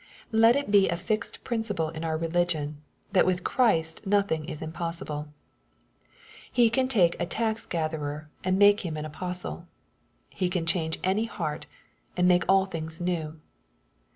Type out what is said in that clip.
Let it be a fixed principle in our religion, that with Christ nothing is impossible. He can take a tax gatherer, and make him an apostle. He can change any heart, and make all things new.